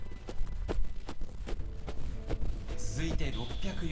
続いて６０４年。